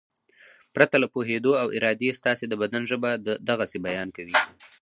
پرته له پوهېدو او ارادې ستاسې د بدن ژبه د غسې بیان کوي.